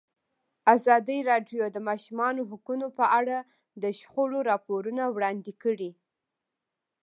ازادي راډیو د د ماشومانو حقونه په اړه د شخړو راپورونه وړاندې کړي.